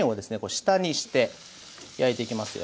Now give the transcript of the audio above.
下にして焼いていきますよ。